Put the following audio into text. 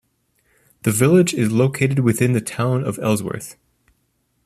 The village is located within the Town of Ellsworth.